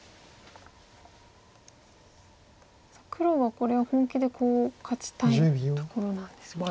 さあ黒はこれは本気でコウを勝ちたいところなんですか？